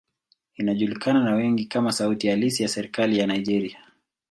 Inajulikana na wengi kama sauti halisi ya serikali ya Nigeria.